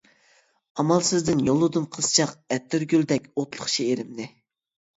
ئامالسىزدىن يوللىدىم قىزچاق ئەتىرگۈلدەك ئوتلۇق شېئىرىمنى.